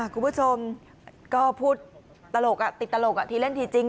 คุณผู้ชมก็พูดตลกติดตลกทีเล่นทีจริง